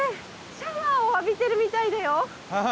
シャワーを浴びてるみたいだよ。